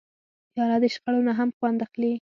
پیاله د شخړو نه هم خوند اخلي.